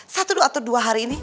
satu dua atau dua hari ini